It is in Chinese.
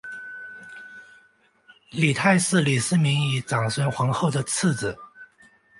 李泰是李世民与长孙皇后的次子。